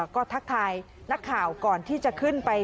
ก็ทักทายนักข่าวก่อนที่จะขึ้นไป